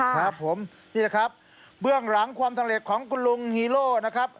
ครับผมนี่แหละครับเบื้องหลังความสำเร็จของคุณลุงฮีโร่นะครับ